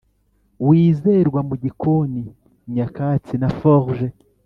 wizerwa mugikoni, nyakatsi na forge,